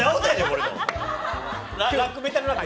これの！